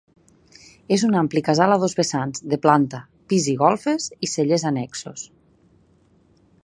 És un ampli casal a dos vessants, de planta, pis i golfes i cellers annexos.